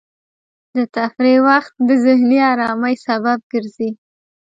د تفریح وخت د ذهني ارامۍ سبب ګرځي.